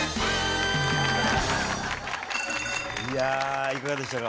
いやいかがでしたか？